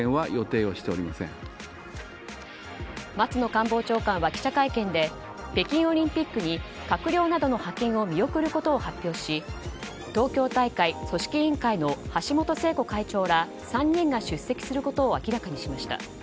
松野官房長官は記者会見で北京オリンピックに閣僚などの派遣を見送ることを発表し東京大会組織委員会の橋本聖子会長ら３人が出席することを明らかにしました。